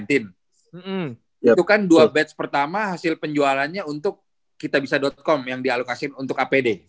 itu kan dua batch pertama hasil penjualannya untuk kitabisa com yang dialokasiin untuk apd